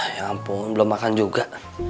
ya ampun belum makan juga